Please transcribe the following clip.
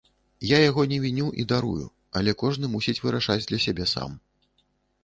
Я яго не віню і дарую, але кожны мусіць вырашаць для сябе сам.